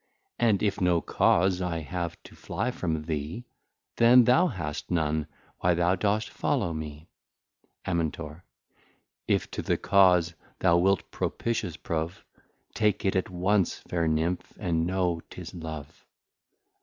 And if no Cause I have to fly from thee, Then thou hast none, why thou dost follow me. Amin. If to the Cause thou wilt propitious prove, Take it at once, fair Nymph, and know 'tis Love.